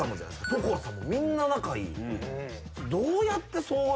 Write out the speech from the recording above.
所さんもみんな仲いい。